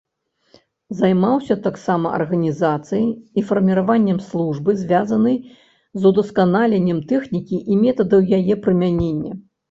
Займаўся таксама арганізацыяй і фарміраваннем службы, звязанай з удасканаленнем тэхнікі і метадаў яе прымянення.